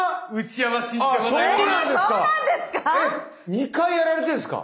二回やられてるんですか？